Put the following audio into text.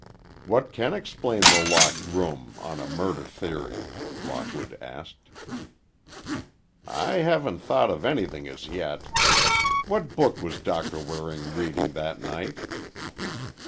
"What can explain the locked room, on a murder theory?" Lockwood asked. "I haven't thought of anything as yet. What book was Doctor Waring reading that night?"